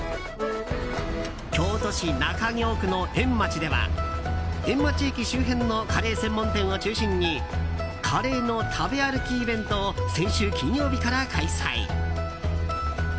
京都市中京区の円町では円町駅周辺のカレー専門店を中心にカレーの食べ歩きイベントを先週金曜日から開催。